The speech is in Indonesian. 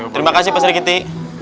terima kasih pak sri kitty